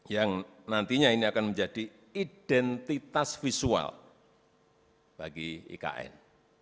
yang nantinya ini akan menjadi identitas visual bagi ikn